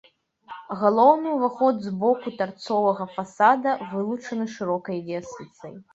Галоўны ўваход з боку тарцовага фасада вылучаны шырокай лесвіцай.